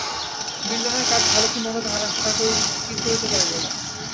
বিল্বনের কাজ ভালো কি মন্দ তাহারা স্থির করিতে পারিল না।